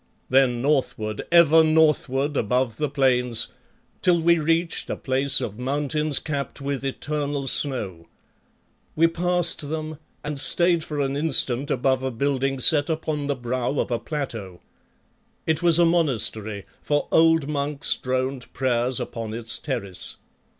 Then northward, ever northward, above the plains, till we reached a place of mountains capped with eternal snow. We passed them and stayed for an instant above a building set upon the brow of a plateau. It was a monastery, for old monks droned prayers upon its terrace.